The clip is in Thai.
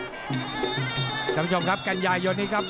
คุณผู้ชมครับกันยายนนี้ครับ